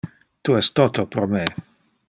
Tu es toto pro me.